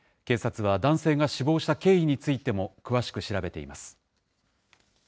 警察は男性が死亡した経緯についても、詳しく調べています。